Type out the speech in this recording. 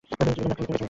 জীবিত নাকি মৃত?